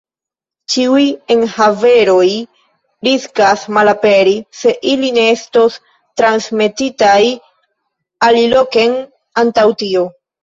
Ĉiuj enhaveroj riskas malaperi, se ili ne estos transmetitaj aliloken antaŭ tio.